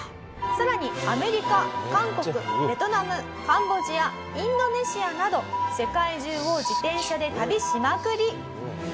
さらにアメリカ韓国ベトナムカンボジアインドネシアなど世界中を自転車で旅しまくり！